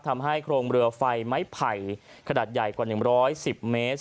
ทำให้โครงเรือไฟไม้ไผ่ขนาดใหญ่กว่า๑๑๐เมตร